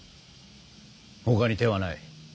ほかに手はない。